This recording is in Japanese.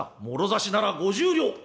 「もろ差しなら５０両！」。